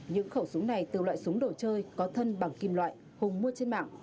những khẩu súng này từ loại súng đồ chơi có thân bằng kim loại hùng mua trên mạng